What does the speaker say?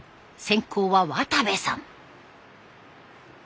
先攻は渡部さん。